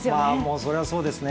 それはそうですね。